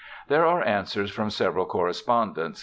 There are answers from several correspondents.